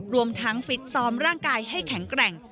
รวมทั้งฟิตซ้อมร่างกายให้แข็งแกร่ง